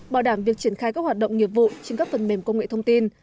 bảo đảm việc triển khai các hoạt động nghiệp vụ trên các phần mềm công nghệ thông tin